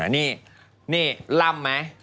นี่ล่ำไหม